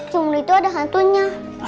sumur itu ada hantunya